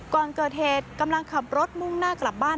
ก่อนเกิดเหตุกำลังขับรถมุ่งหน้ากลับบ้าน